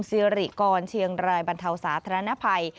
สิริกรเชียงรายบรรเทาสาธารณภัย